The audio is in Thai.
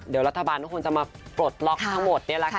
เดี๋ยวรัฐบาลก็คงจะมาปลดล็อกทั้งหมดนี่แหละค่ะ